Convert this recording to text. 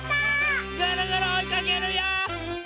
ぐるぐるおいかけるよ！